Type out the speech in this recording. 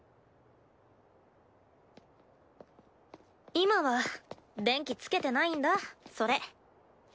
今は電気つけてないんだそれ。